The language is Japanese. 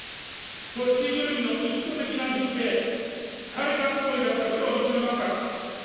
組織ぐるみの意図的な隠蔽、改ざん行為であったことを認めますか。